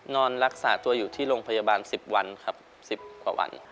นอนรักษาตัวอยู่ที่โรงพยาบาล๑๐วันครับ๑๐กว่าวัน